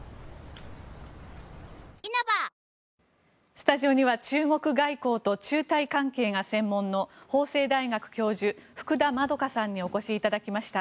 スタジオには中国外交と中台関係が専門の法政大学教授福田円さんにお越しいただきました。